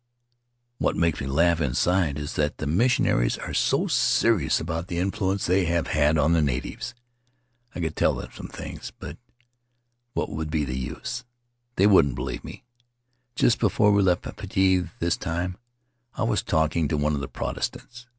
"What makes me laugh inside is that the mission aries are so serious about the influence they have had on the natives. I could tell them some things — but what would be the use? They wouldn't believe me. Just before we left Papeete this time I was talking to one of the Protestants.